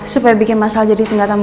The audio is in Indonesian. supaya bikin masalah jadi tingkatan